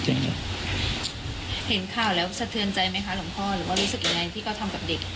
ถึงมาสอน